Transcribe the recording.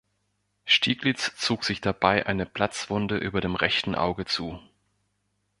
Stieglitz zog sich dabei eine Platzwunde über dem rechten Auge zu.